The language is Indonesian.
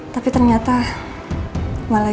tapi ternyata malah jatuh